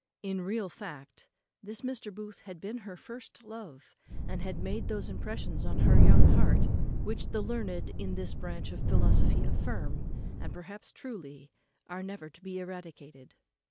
In real fact, this Mr. Booth had been her first love, and had made those impressions on her young heart, which the learned in this branch of philosophy affirm, and perhaps truly, are never to be eradicated.